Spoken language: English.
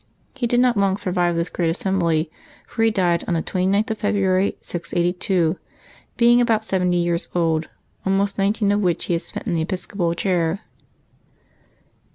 He did not long survive this great assembly, for he died on the 29th of February, 682, being about seventy years old, almost nineteen of which he had spent in the episcopal chair.